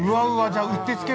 じゃあうってつけ？